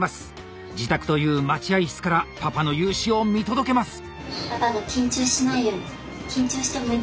自宅という待合室からパパの雄姿を見届けます。